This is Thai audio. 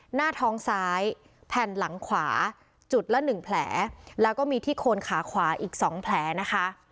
หน้าท้องซ้ายแผ่นหลังขวาจุดละหนึ่งแผลแล้วก็มีที่โคนขาขวาอีก๒แผลนะคะ